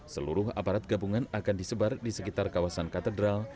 seluruh aparat gabungan akan disebar di sekitar kawasan katedral